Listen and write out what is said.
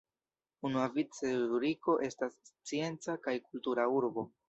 Unuavice Zuriko estas scienca kaj kultura urbo.